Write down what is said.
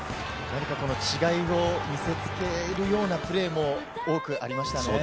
違いを見せつけるようなプレーが多くありましたね。